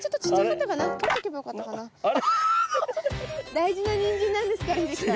大事なニンジンなんですから秀樹さん。